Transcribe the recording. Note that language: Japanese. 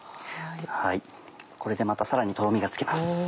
これでまたさらにトロミがつきます。